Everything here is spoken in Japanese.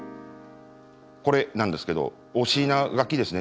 これなんですけどおしながきですね。